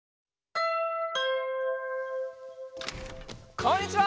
こんにちは！